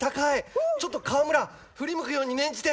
ちょっと川村振り向くように念じて！